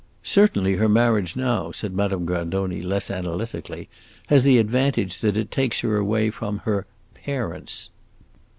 "Certainly her marriage now," said Madame Grandoni, less analytically, "has the advantage that it takes her away from her parents!"